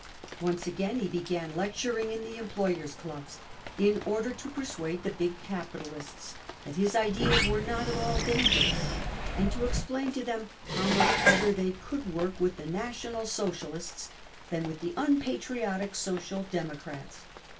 Once again he began lecturing in the employers' clubs, in order to persuade the big capitalists that his ideas were not at all dangerous, and to explain to 4 * them how much better they could work with the National Socialists than with the unpatriotic Social Democrats.